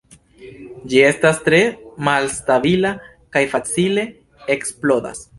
Ĝi estas tre malstabila kaj facile eksplodas.